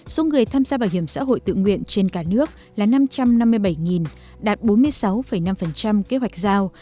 số người tham gia bảo hiểm xã hội tự nguyện trên cả nước là năm trăm năm mươi bảy đạt bốn mươi sáu năm kế hoạch giao